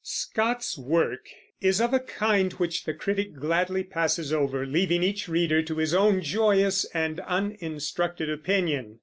Scott's work is of a kind which the critic gladly passes over, leaving each reader to his own joyous and uninstructed opinion.